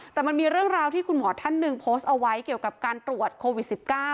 แต่มันมีเรื่องราวที่คุณหมอท่านหนึ่งโพสต์เอาไว้เกี่ยวกับการตรวจโควิด๑๙